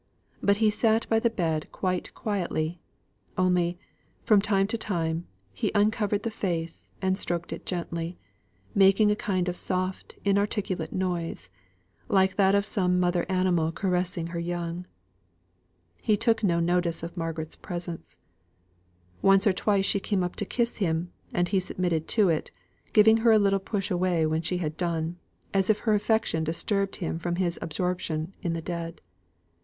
But he sate by the bed quite quietly; only, from time to time, he uncovered the face, and stroked it gently, making a kind of soft inarticulate noise, like that of some mother animal caressing her young. He took no notice of Margaret's presence. Once or twice she came up to kiss him; and he submitted to it, giving her a little push away when she had done, as if her affection disturbed him from his absorption in the dead.